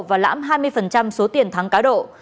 và lãm hai mươi số tiền thắng cá độ